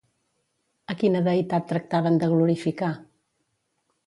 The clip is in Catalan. A quina deïtat tractaven de glorificar?